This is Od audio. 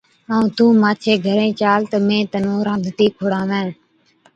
ائُون تُون مانڇي گھرين چال تہ مين تنُون رانڌتِي کُڙاوَين۔